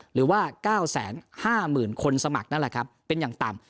หรือว่าเก้าแสนห้ามื่นคนสมัครนั่นแหละครับเป็นอย่างต่ำ